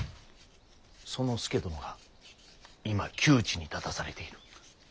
その佐殿が今窮地に立たされている。